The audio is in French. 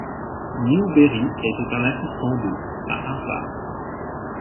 Newbery était un assistant de à Harvard.